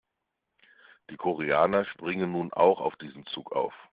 Die Koreaner springen nun auch auf diesen Zug auf.